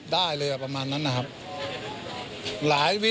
ได้เลยประมาณนั้นนะครับ